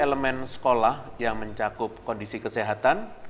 memiliki pemetaan seluruh elemen sekolah yang mencakup kondisi kesehatan